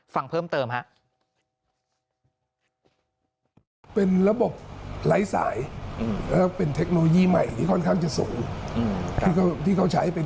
ฟังเพิ่มเติมฮะ